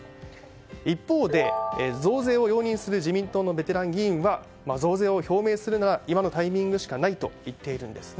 一方で、増税を容認する自民党のベテラン議員は増税を表明するなら今のタイミングしかないと言っているんですね。